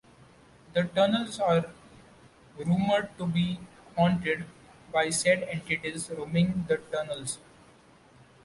The tunnels are rumored to be haunted by said entities roaming the tunnels.